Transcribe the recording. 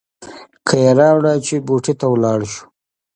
کیه راوړه چې بوټي ته ولاړ شو.